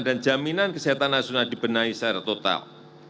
dan jaminan kesehatan nasional dibenahi secara total